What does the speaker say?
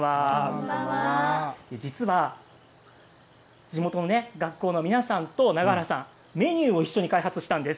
これ実は地元の学校の皆さんと永原さんメニューを一緒に開発したんです。